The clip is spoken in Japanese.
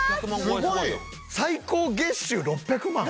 すごい！最高月収６００万？